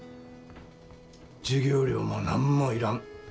授業料も何も要らん。